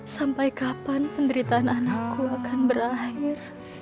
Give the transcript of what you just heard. sampai kapan penderitaan anakku akan berakhir